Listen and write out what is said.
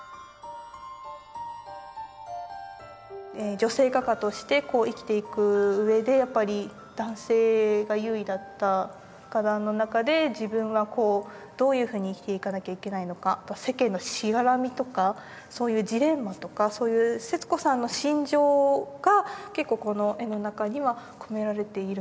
女性画家として生きていく上でやっぱり男性が優位だった画壇の中で自分はこうどういうふうに生きていかなきゃいけないのか世間のしがらみとかそういうジレンマとかそういう節子さんの心情が結構この絵の中には込められている。